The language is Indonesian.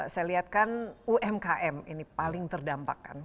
saya lihat kan umkm ini paling terdampak kan